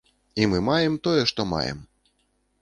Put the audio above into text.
І мы маем тое, што маем.